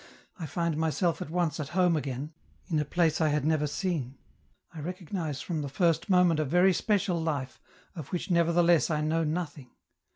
I find myself at once at home again, in a place I had never seen ; I recognize from the first moment a very special life, of which nevertheless I know nothing.